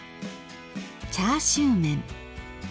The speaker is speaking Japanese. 「チャーシューメン」